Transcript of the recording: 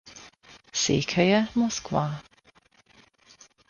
Székhelye Moszkva.